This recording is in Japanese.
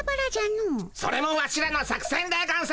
それもワシらの作せんでゴンス。